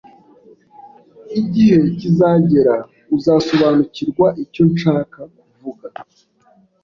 Igihe kizagera uzasobanukirwa icyo nshaka kuvuga.